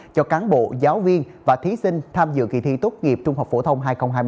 cho cán bộ giáo viên và thí sinh tham dự kỳ thi tốt nghiệp trung học phổ thông hai nghìn hai mươi bốn